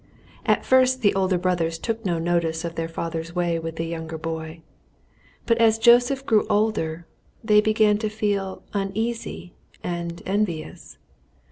At first the older brothers took no notice of their father's way with the younger boy; but as Joseph grew older they began to feel uneasy and envious.